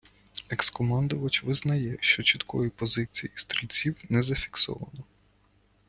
Екс - командувач визнає, що чіткої позиції стрільців не зафіксовано.